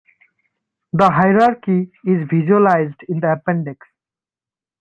The hierarchy is visualized in the appendix.